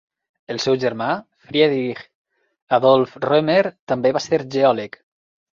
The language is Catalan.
El seu germà, Friedrich Adolph Roemer, també va ser geòleg.